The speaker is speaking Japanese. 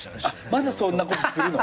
まだそんなことするの？